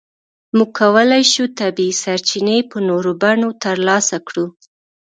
موږ کولای شو طبیعي سرچینې په نورو بڼو ترلاسه کړو.